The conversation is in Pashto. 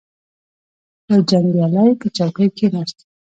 یو جنګیالی په چوکۍ کښیناست.